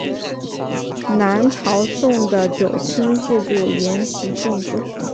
南朝宋的九卿制度沿袭晋制。